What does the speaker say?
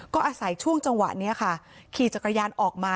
ก็อาศัยช่วงจังหวะนี้ค่ะขี่จักรยานออกมา